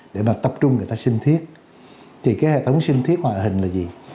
để mà tập trung người ta sinh thiết thì cái hệ thống sinh thiết ngoại hình là gì